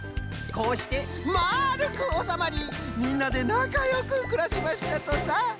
こうしてまるくおさまりみんなでなかよくくらしましたとさ。